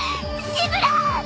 シブラー！